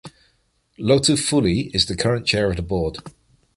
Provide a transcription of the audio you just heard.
Lotu Fuli is the current chair of the board.